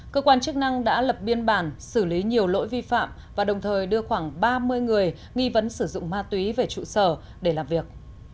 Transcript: cơ quan chức năng đã lập biên bản xử lý nhiều lỗi vi phạm và đồng thời đưa khoảng ba mươi người nghi vấn sử dụng ma túy về trụ sở để làm việc